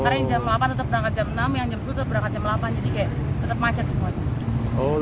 karena yang jam delapan tetap berangkat jam enam yang jam sepuluh tetap berangkat jam delapan jadi kayak tetap macet semuanya